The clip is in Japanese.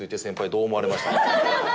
どう思われました？